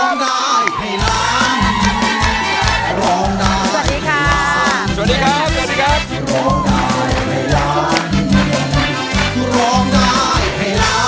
สวัสดีครับสวัสดีครับ